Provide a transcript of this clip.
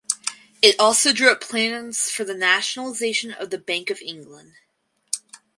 It also drew up plans for the nationalisation of the Bank of England.